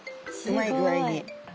うまい具合に。